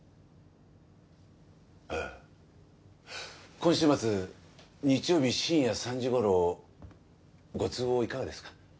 今週末日曜日深夜３時ごろご都合いかがですか？